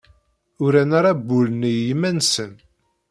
Uran aṛabul-nni i yiman-nsen.